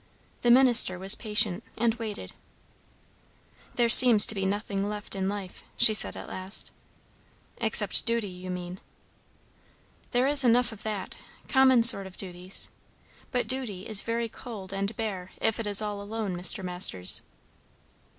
The minister was patient, and waited. "There seems to be nothing left in life," she said at last. "Except duty, you mean?" "There is enough of that; common sort of duties. But duty is very cold and bare if it is all alone, Mr. Masters."